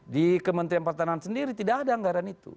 di kementerian pertahanan sendiri tidak ada anggaran itu